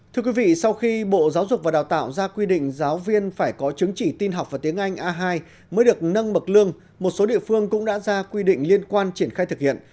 thưa quý vị sau khi bộ giáo dục và đào tạo ra quy định giáo viên phải có chứng chỉ tin học và tiếng anh a hai mới được nâng bậc lương một số địa phương cũng đã ra quy định liên quan triển khai thực hiện